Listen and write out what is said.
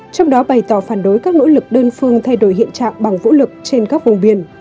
trong đó bày tỏ phản đối các nỗ lực đơn phương thay đổi hiện trạng bằng vũ lực trên các vùng biển